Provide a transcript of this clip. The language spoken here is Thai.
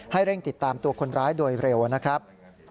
เร่งติดตามตัวคนร้ายโดยเร็วนะครับ